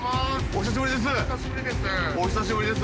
関）お久しぶりです。